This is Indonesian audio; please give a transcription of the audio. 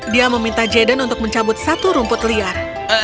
dia meminta jaden untuk mencabut satu rumput liar